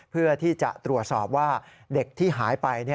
เพื่อที่จะตรวจสอบว่าเด็กที่หายไป